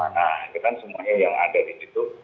nah kita kan semuanya yang ada di situ